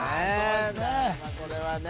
これはね